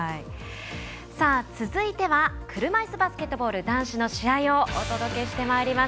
続いては車いすバスケットボール男子の試合をお届けしてまいります。